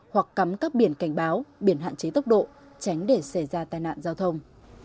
hoặc cắm các biển cảnh báo biển hạn chế tốc độ tránh để xảy ra tai nạn giao thông